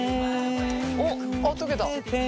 おっ溶けた。